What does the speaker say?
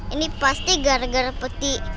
ini pasti gara gara peti